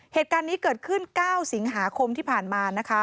เหตุการณ์นี้เกิดขึ้น๙สิงหาคมที่ผ่านมานะคะ